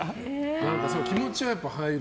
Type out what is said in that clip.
気持ちは入る。